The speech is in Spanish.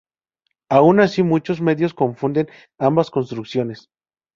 Aun así, muchos medios confunden ambas construcciones.